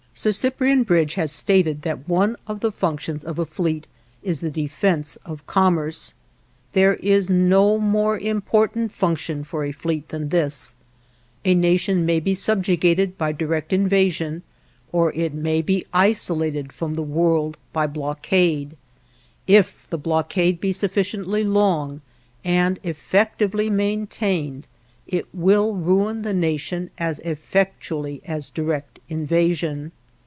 Sir Cyprian Bridge has stated that one of the functions of a fleet is the defense of commerce. There is no more important function for a fleet than this. A nation may be subjugated by direct invasion, or it may be isolated from the world by blockade. If the blockade be sufficiently long, and effectively maintained, it will ruin the nation as effectually as direct invasion.